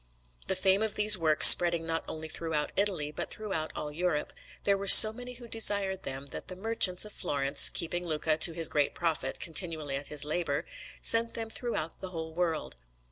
The fame of these works spreading not only throughout Italy but throughout all Europe, there were so many who desired them that the merchants of Florence, keeping Luca, to his great profit, continually at this labour, sent them throughout the whole world.